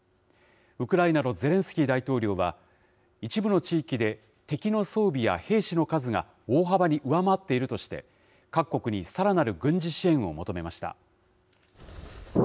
ウクライナのゼレンスキー大統領は、一部の地域で敵の装備や兵士の数が大幅に上回っているとして、各国にさらなる軍事支援を求めました。